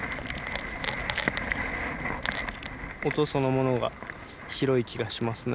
音そのものが広い気がしますね。